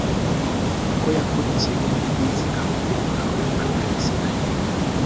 kuko yakurikiye n'ubutizigama uhoraho, imana ya israheli